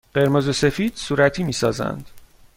قرمز و سفید صورتی می سازند.